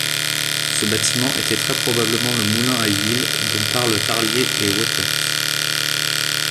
Ce bâtiment était très probablement le moulin à huile dont parlent Tarlier et Wauters.